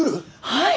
はい！